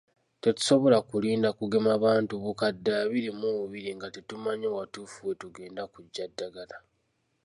Tetusobola kulinda kugema bantu bukadde abiri mu bubiri nga tetumanyi watuufu we tugenda kuggya ddagala.